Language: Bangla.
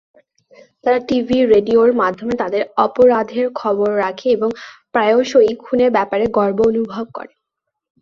তারা টিভি, রেডিওর মাধ্যমে তাদের অপরাধের খবর রাখে এবং প্রায়শই খুনের ব্যাপারে গর্ব অনুভব করে।